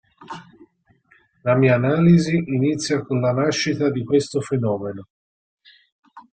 La mia analisi inizia con la nascita di questo fenomeno.